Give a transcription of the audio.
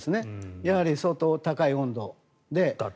やはり相当高い温度で。